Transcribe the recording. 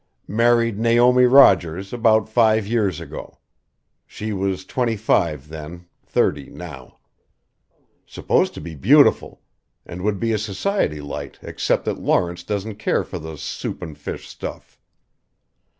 "Married Naomi Rogers about five years ago. She was twenty five then thirty now. Supposed to be beautiful and would be a society light except that Lawrence doesn't care for the soup and fish stuff.